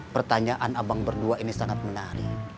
pertanyaan abang berdua ini sangat menarik